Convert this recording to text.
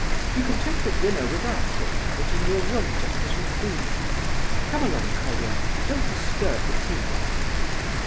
You can take your dinner with us, or have it in your room, just as you please. Come along, Colia, don't disturb the prince."